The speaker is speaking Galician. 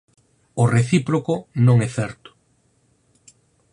O recíproco non é certo.